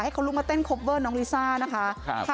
ให้เขาลุกมาเต้นน้องลิซ่านะคะครับ